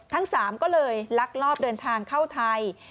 ทั้ง๓ก็เลยลักลอบเดินทางเข้าไทย